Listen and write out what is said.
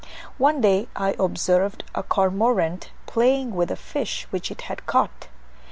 One day I observed a cormorant playing with a fish which it had caught.